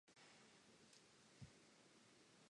The key thing was to select the right person for the job.